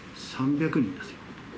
３００人ですよ。